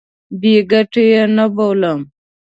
بې ګټې نه بولم.